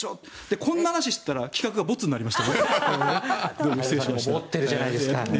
こんな話をしたら企画がボツになりました。